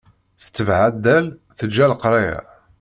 Tetbeε addal, teǧǧa leqraya.